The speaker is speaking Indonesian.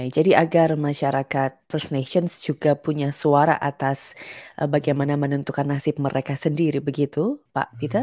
jadi agar masyarakat first nations juga punya suara atas bagaimana menentukan nasib mereka sendiri begitu pak bitar